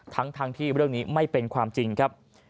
ทั้งที่เรื่องนี้ไม่เป็นความจริงครับ